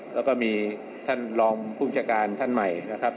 แล้วก็มีท่านรองภูมิชาการท่านใหม่นะครับ